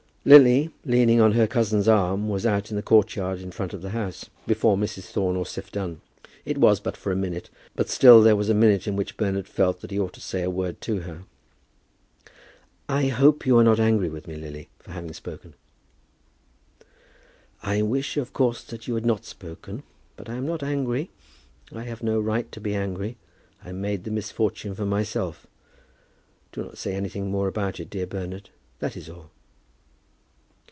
Lily, leaning on her cousin's arm, was out in the courtyard in front of the house before Mrs. Thorne or Siph Dunn. It was but for a minute, but still there was a minute in which Bernard felt that he ought to say a word to her. "I hope you are not angry with me, Lily, for having spoken." "I wish, of course, that you had not spoken; but I am not angry. I have no right to be angry. I made the misfortune for myself. Do not say anything more about it, dear Bernard; that is all."